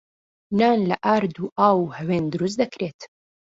نان لە ئارد و ئاو و هەوێن دروست دەکرێت.